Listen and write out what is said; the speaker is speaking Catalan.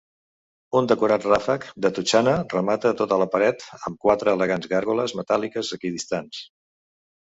Un decorat ràfec de totxana remata tota la paret amb quatre elegants gàrgoles metàl·liques equidistants.